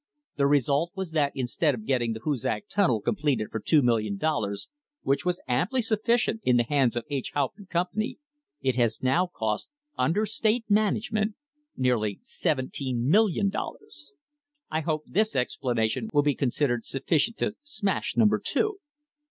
The result was that instead of getting the Hoosac Tunnel completed for $2,000,000, which was amply sufficient in the hands of H. Haupt and Company, it has now cost, under state management, nearly $17,000,000. I hope this explanation will be considered sufficient to "smash" Number 2. 3.